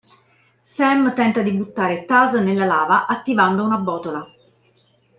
Sam tenta di buttare Taz nella lava attivando una botola.